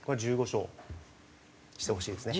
１５勝してほしいですね。